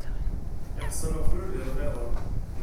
Iḥṣel uxlul di lɣiḍa.